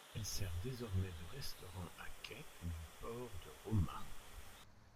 Elle sert désormais de restaurant à quai du port de Rauma.